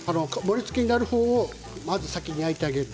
上になる方をまず先に焼いてあげる。